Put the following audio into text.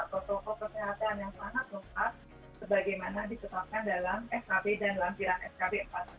protokol kesehatan yang sangat lengkap sebagaimana disetapkan dalam skb dan dalam jiran skb empat